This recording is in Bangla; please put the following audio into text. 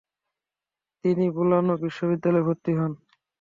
তিনি বোলোনা বিশ্ববিদ্যালয়ে ভর্তি হন।